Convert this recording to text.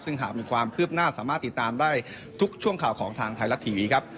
ซึ่งหากมีความคืบหน้าสามารถติดตามได้ทุกช่วงข่าวของทางไทยรัฐทีวีครับ